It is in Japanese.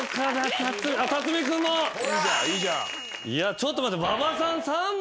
ちょっと待って。